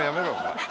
お前。